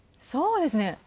そうですね。